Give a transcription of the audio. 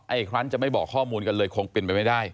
อีกครั้งจะไม่บอกข้อมูลกันเลยคงเป็นไปไม่ได้